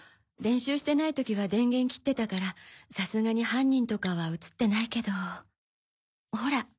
練習してない時は電源切ってたからさすがに犯人とかは映ってないけどほら！